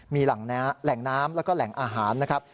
มีแหล่งน้ำแล้วก็แหล่งอาหารนะครับ